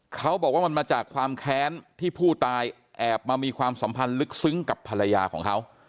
เขาบอกว่ามันมาจากความแค้นที่ผู้ตายแอบมามีความสัมพันธ์ลึกซึ้งกับภรรยาของเขา